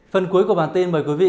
phần cuối của bản tin mời quý vị